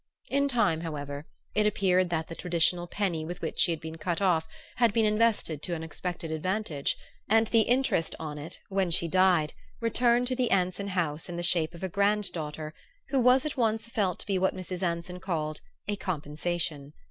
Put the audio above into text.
In time, however, it appeared that the traditional penny with which she had been cut off had been invested to unexpected advantage; and the interest on it, when she died, returned to the Anson House in the shape of a granddaughter who was at once felt to be what Mrs. Anson called a "compensation."